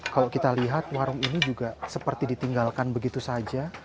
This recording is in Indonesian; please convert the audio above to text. kalau kita lihat warung ini juga seperti ditinggalkan begitu saja